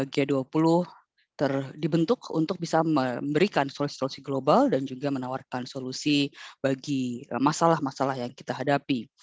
g dua puluh dibentuk untuk bisa memberikan solusi solusi global dan juga menawarkan solusi bagi masalah masalah yang kita hadapi